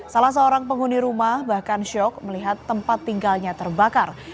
salah seorang penghuni rumah bahkan syok melihat tempat tinggalnya terbakar